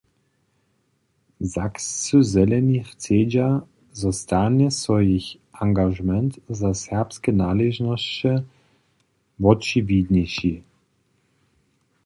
Sakscy Zeleni chcedźa, zo stanje so jich angažement za serbske naležnosće wočiwidniši.